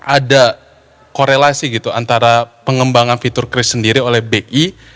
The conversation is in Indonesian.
ada korelasi gitu antara pengembangan fitur kris sendiri oleh bi